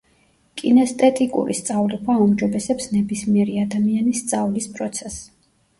კინესტეტიკური სწავლება აუმჯობესებს ნებისმიერი ადამიანის სწავლის პროცესს.